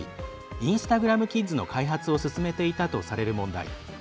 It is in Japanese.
「インスタグラム・キッズ」の開発を進めていたとされる問題。